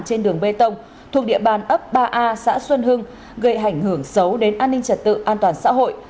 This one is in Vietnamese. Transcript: trên đường bê tông thuộc địa bàn ấp ba a xã xuân hưng gây ảnh hưởng xấu đến an ninh trật tự an toàn xã hội